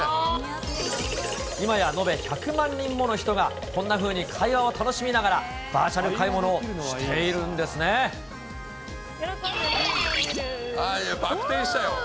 今や延べ１００万人もの人がこんなふうに会話を楽しみながら、バーチャル買い物をしているんでイェーイ！